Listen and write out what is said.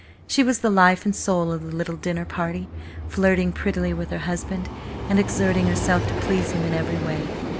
She was the life and soul of the little dinner party, flirting prettily with her husband and exerting herself to please him in every way.